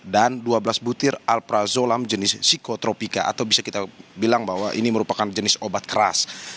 dan dua belas butir alprazolam jenis psikotropika atau bisa kita bilang bahwa ini merupakan jenis obat keras